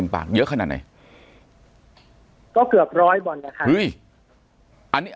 ปากกับภาคภูมิ